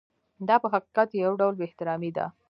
دا په حقیقت کې یو ډول بې احترامي ده.